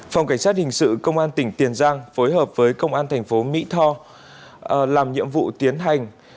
phòng cảnh sát hình sự công an tỉnh tiền giang phối hợp với công an thành phố mỹ tho làm nhiệm vụ tiến hành